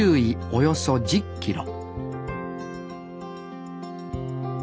およそ１０キロ